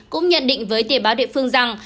cũng nhận định với tỉa báo địa phương rằng